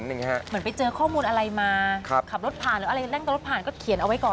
เหมือนไปเจอข้อมูลอะไรมาขับรถผ่านหรืออะไรนั่งรถผ่านก็เขียนเอาไว้ก่อน